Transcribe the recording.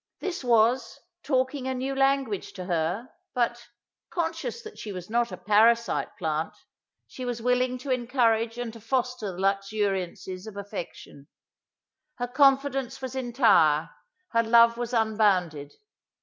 This was "talking a new language to her;" but, "conscious that she was not a parasite plant," she was willing to encourage and foster the luxuriancies of affection. Her confidence was entire; her love was unbounded.